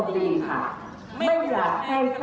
ไม่อยากให้นายกแอลบาทรอดเดือดร้อน